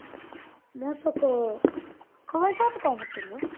まさかかわいそうとか思ってる？